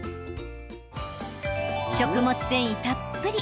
食物繊維たっぷり。